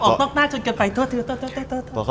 ออกต้องกุ๊กหน้าชนกันไปโทษ